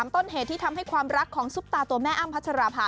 ต้นเหตุที่ทำให้ความรักของซุปตาตัวแม่อ้ำพัชราภา